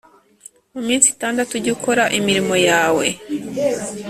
Mu minsi itandatu ujye ukora imirimo yawe